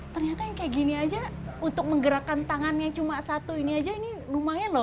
ternyata yang kayak gini aja untuk menggerakkan tangannya cuma satu ini aja ini lumayan loh